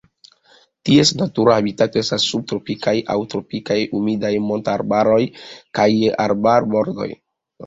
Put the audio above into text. Ties natura habitato estas subtropikaj aŭ tropikaj humidaj montararbaroj kaj arbarbordoj.